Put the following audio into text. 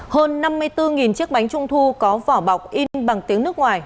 hơn năm mươi bốn chiếc bánh trung thu có vỏ bọc in bằng tiếng nước ngoài